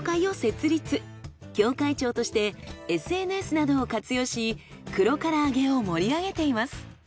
協会長としてＳＮＳなどを活用し黒から揚げを盛り上げています。